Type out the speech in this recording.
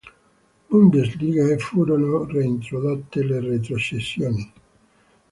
Bundesliga", e furono reintrodotte le retrocessioni.